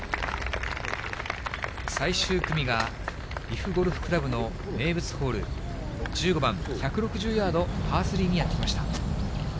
最終組が利府ゴルフ倶楽部の名物ホール、１５番１６０ヤードパー３にやって来ました。